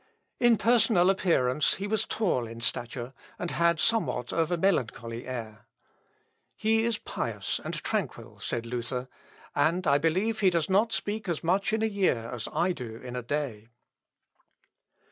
In personal appearance he was tall in stature, and had somewhat of a melancholy air. "He is pious and tranquil," said Luther, "and I believe does not speak as much in a year as I do in a day."